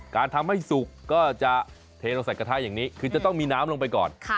การทำให้สุกก็จะเทลงใส่กระทะอย่างนี้คือจะต้องมีน้ำลงไปก่อน